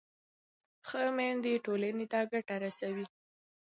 ښه میندې ټولنې ته ګټه رسوي.